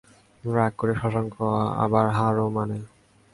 রাগ করে শশাঙ্ক, আবার হারও মানে।